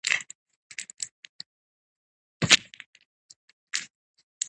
هغه لیکي چې غازیان تږي او ستړي وو.